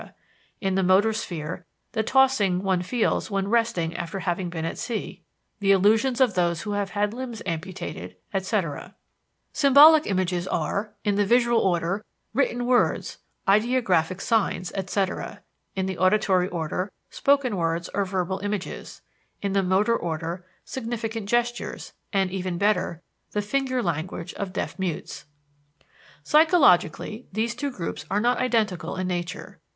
in the motor sphere, the tossings one feels when resting after having been at sea, the illusions of those who have had limbs amputated, etc. Symbolic images are: In the visual order, written words, ideographic signs, etc.; in the auditory order, spoken words or verbal images; in the motor order, significant gestures, and even better, the finger language of deaf mutes. Psychologically, these two groups are not identical in nature.